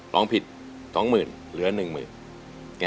ร้องผิด๒๐๐๐๐แล้วหนึ่งหมื่น